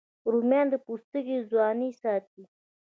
رومیان د پوستکي ځواني ساتي